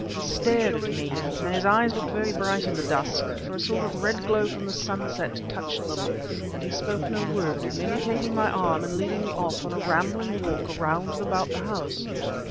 He stared at me, and his eyes looked very bright in the dusk, for a sort of red glow from the sunset touched them; but he spoke no word, merely taking my arm and leading me off on a rambling walk around and about the house.